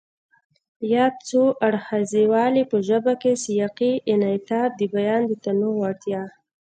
ياد څو اړخیزوالی په ژبه کې سیاقي انعطاف، د بیان د تنوع وړتیا،